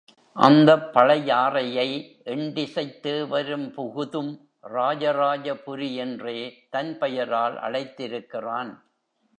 அந்தப் பழையாறையை எண்டிசைத் தேவரும் புகுதும் ராஜராஜபுரி என்றே தன் பெயரால் அழைத்திருக்கிறான்.